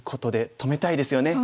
止めたいですね。